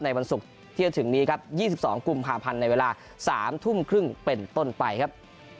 วันศุกร์ที่จะถึงนี้ครับ๒๒กุมภาพันธ์ในเวลา๓ทุ่มครึ่งเป็นต้นไปครับ